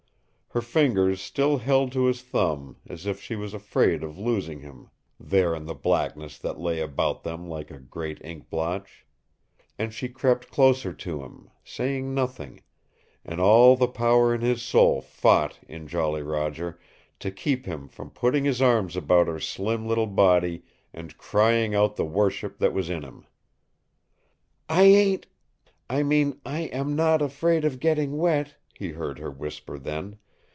Her fingers still held to his thumb, as if she was afraid of losing him there in the blackness that lay about them like a great ink blotch. And she crept closer to him, saying nothing, and all the power in his soul fought in Jolly Roger to keep him from putting his arms about her slim little body and crying out the worship that was in him. "I ain't I mean I'm not afraid of gettin' wet," he heard her whisper then.